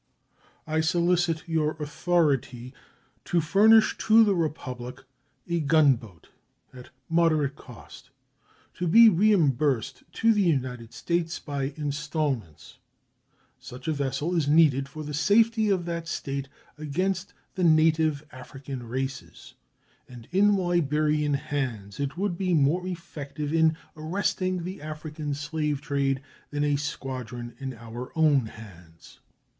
I solicit your authority to furnish to the Republic a gunboat at moderate cost, to be reimbursed to the United States by installments. Such a vessel is needed for the safety of that State against the native African races, and in Liberian hands it would be more effective in arresting the African slave trade than a squadron in our own hands.